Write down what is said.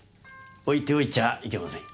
置いておいちゃあいけません。